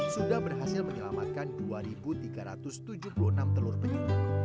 sudah berhasil menyelamatkan dua tiga ratus tujuh puluh enam telur penyu